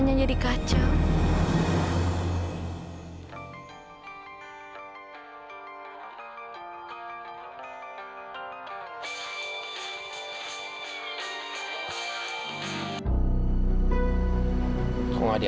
saya nggak sengaja